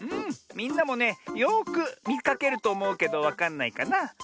みんなもねよくみかけるとおもうけどわかんないかな？